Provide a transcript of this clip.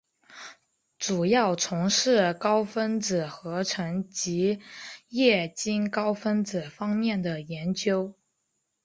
主要从事高分子合成及液晶高分子方面的研究。